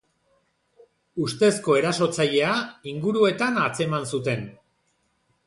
Ustezko erasotzailea inguruetan atzeman zuten.